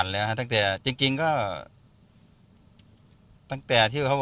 แล้วพอเขาบอกกลับมาว่า